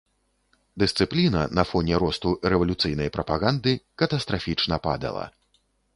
Дысцыпліна на фоне росту рэвалюцыйнай прапаганды катастрафічна падала.